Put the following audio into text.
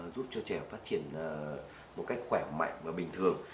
giúp cho trẻ phát triển một cách khỏe mạnh và bình thường